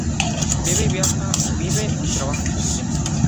Vive y trabaja en Sevilla.